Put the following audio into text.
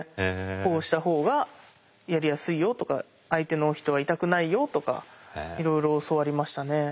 こうした方がやりやすいよとか相手の人は痛くないよとかいろいろ教わりましたね。